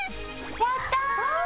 やった！